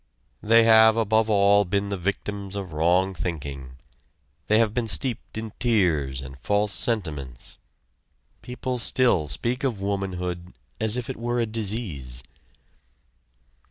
They have above all been the victims of wrong thinking they have been steeped in tears and false sentiments. People still speak of womanhood as if it were a disease.